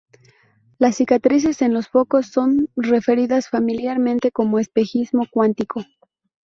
Las cicatrices en los focos son referidas familiarmente como "espejismo cuántico".